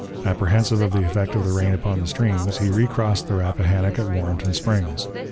Apprehensive of the effect of the rain upon the streams, he recrossed the Rappahannock at Warrenton Springs.